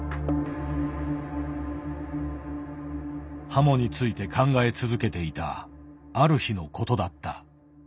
ハモについて考え続けていたある日のことだった。